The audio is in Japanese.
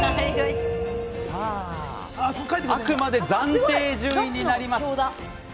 あくまで暫定順位になります。